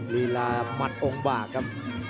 ฤีรามัติองบะครับ